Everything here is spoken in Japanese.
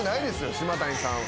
島谷さん。